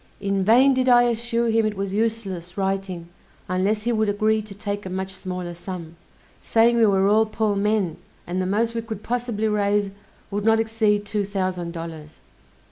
In vain did I assure him it was useless writing unless he would agree to take a much smaller sum; saying we were all poor men, and the most we could possibly raise would not exceed two thousand dollars.